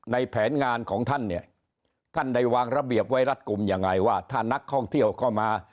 แผนงานของท่านเนี่ยท่านได้วางระเบียบไว้รัดกลุ่มยังไงว่าถ้านักท่องเที่ยวเข้ามา